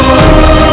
baik ayahanda prabu